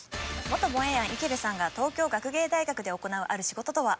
元モエヤン池辺さんが東京学芸大学で行うある仕事とは？